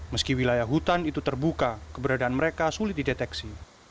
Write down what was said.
meski wilayah hutan itu terbuka keberadaan mereka sulit dideteksi